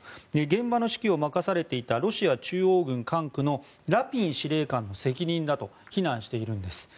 現場の指揮を任されていたロシア中央軍管区のラピン司令官の責任だと非難しているんです。